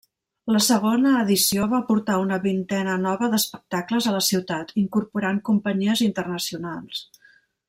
La segona edició va portar una vintena nova d'espectacles a la ciutat, incorporant companyies internacionals.